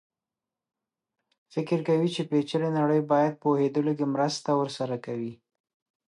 فکر کوي چې پېچلې نړۍ باندې پوهېدلو کې مرسته ورسره کوي.